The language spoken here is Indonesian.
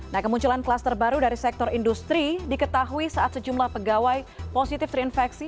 nah kemunculan kluster baru dari sektor industri diketahui saat sejumlah pegawai positif terinfeksi